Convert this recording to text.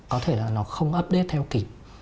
có thể là nó không update theo kỷ